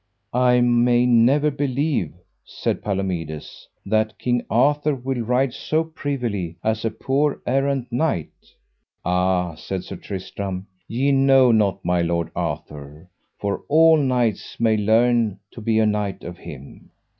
I may never believe, said Palomides, that King Arthur will ride so privily as a poor errant knight. Ah, said Sir Tristram, ye know not my lord Arthur, for all knights may learn to be a knight of him.